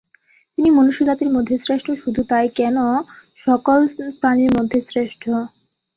তিনি মনুষ্যজাতির মধ্যে শ্রেষ্ঠ, শুধু তাই কেন, সকল প্রাণীর মধ্যে শ্রেষ্ঠ।